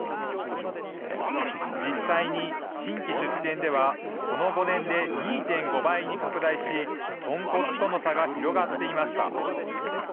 実際に新規出店では、この５年で２．５倍に拡大し、豚骨との差が広がっていました。